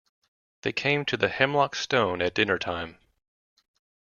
They came to the Hemlock Stone at dinner-time.